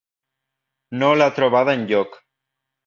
No l'ha trobada enlloc